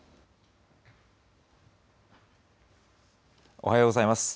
おはようございます。